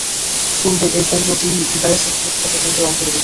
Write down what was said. পূর্বে এই কেন্দ্রটি বারাসাত লোকসভা কেন্দ্রের অন্তর্গত ছিল।